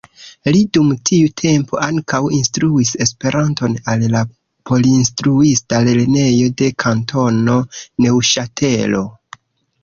Li dum tiu tempo ankaŭ instruis Esperanton al la porinstruista lernejo de Kantono Neŭŝatelo.